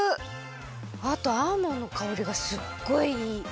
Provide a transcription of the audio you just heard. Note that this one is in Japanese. あとアーモンドのかおりがすっごいいい。